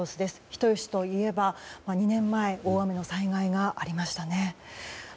人吉といえば２年前大雨の災害がありましたね。